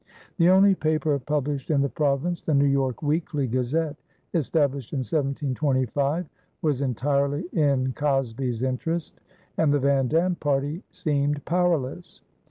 The only paper published in the province, the New York Weekly Gazette, established in 1725, was entirely in Cosby's interest, and the Van Dam party seemed powerless.